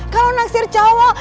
kalau naksir cowok